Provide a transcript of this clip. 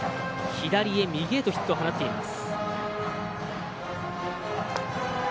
左へ右へとヒットを放っています。